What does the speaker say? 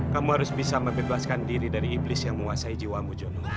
kamu harus bisa membebaskan diri dari iblis yang menguasai jiwamu jono